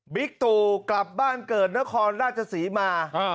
ตู่กลับบ้านเกิดนครราชศรีมา